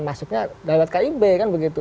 maksudnya dari kib kan begitu